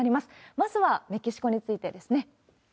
まずはメキシコについてですね。